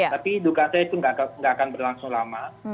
tapi dugaan saya itu nggak akan berlangsung lama